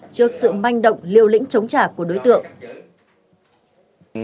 trước sự manh động liều lĩnh chống trả của đối tượng